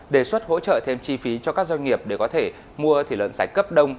đề xuất hỗ trợ thêm chi phí cho các doanh nghiệp để có thể mua thịt lợn sạch cấp đông